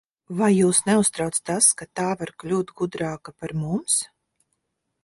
Vai jūs neuztrauc tas, ka tā var kļūt gudrāka par mums?